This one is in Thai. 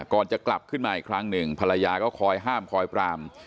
ก่อนจะกลับขึ้นมาอีกครั้งหนึ่งภรรยาก็คอยห้ามคอยปราม